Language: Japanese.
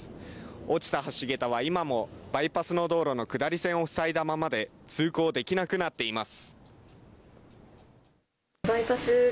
落ちた橋桁は今もバイパスの道路の下り線を塞いだままで通行できなくなっています。